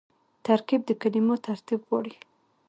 ترکیب د کلمو ترتیب غواړي.